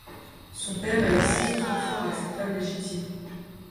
Son père a eu six autres enfants avec sa femme légitime.